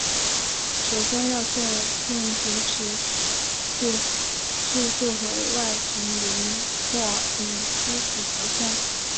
首先要确定主尺度系数和外形轮廓等初始条件。